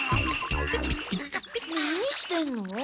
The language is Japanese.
何してんの？